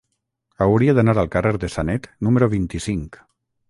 Hauria d'anar al carrer de Sanet número vint-i-cinc.